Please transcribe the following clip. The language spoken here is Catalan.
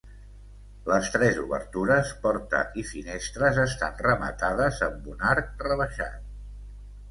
Les tres obertures, porta i finestres, estan rematades amb un arc rebaixat.